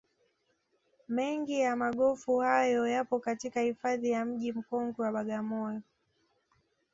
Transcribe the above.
Mengi ya magofu haya yapo katika hifadhi ya mji mkongwe wa Bagamoyo